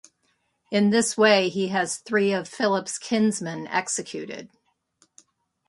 In this way he has three of Philip's kinsmen executed.